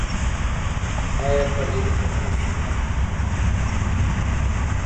ایا په لیري پرتو سیمو کي هم نجونې ښوونځیو ته ځي؟